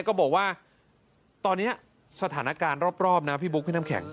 ก็บอกว่าตอนนี้สถานการณ์รอบนะพี่บุ๊คพี่น้ำแข็ง